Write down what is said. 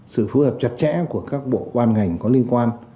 sự phù hợp chặt chẽ của các bộ ban ngành có liên quan